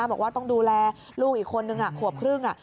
บอกว่าต้องดูแลลูกอีกคนนึงขวบครึ่ง